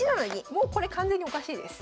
もうこれ完全におかしいです。